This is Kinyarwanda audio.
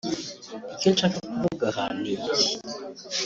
Icyo nshaka kuvuga aha ni iki